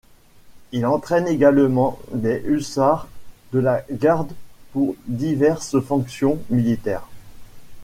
Ils entraînent également des hussards de la garde pour diverses fonctions militaires.